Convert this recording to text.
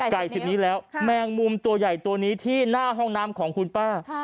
สิบนี้แล้วแมงมุมตัวใหญ่ตัวนี้ที่หน้าห้องน้ำของคุณป้า